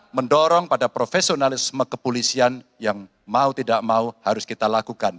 mendorong pada profesionalisme kepolisian yang mau tidak mau harus kita lakukan